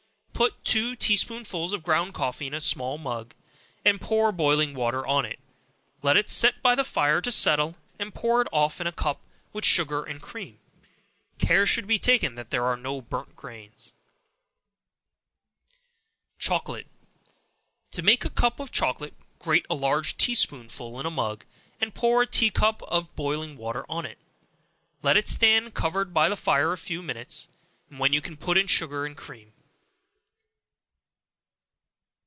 Put two tea spoonsful of ground coffee in a small mug, and pour boiling water on it; let it set by the fire to settle, and pour it off in a cup, with sugar and cream. Care should be taken that there are no burnt grains. Chocolate. To make a cup of chocolate, grate a large tea spoonful in a mug, and pour a tea cup of boiling water on it; let it stand covered by the fire a few minutes, when you can put in sugar and cream.